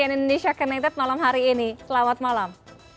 terima kasih sudah bergabung dengan cnn indonesia keneted malam hari ini selamat malam